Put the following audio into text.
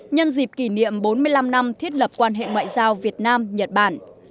nhân dịp kỷ niệm bốn mươi năm năm thiết lập quan hệ ngoại giao việt nam nhật bản